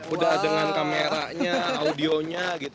udah dengan kameranya audionya gitu